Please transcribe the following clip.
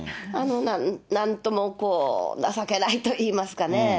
なんともこう、情けないといいますかね。